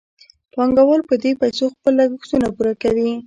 پانګوال په دې پیسو خپل لګښتونه پوره کوي